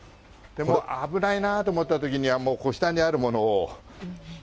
もう、危ないなと思ったときには、下にあるものを。